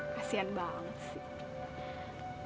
kasian banget sih